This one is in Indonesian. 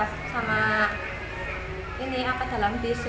sama ini akad dalam bus jadi aku lebih baik akad dalam bus